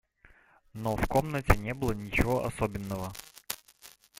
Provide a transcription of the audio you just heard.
Но в комнате не было ничего особенного.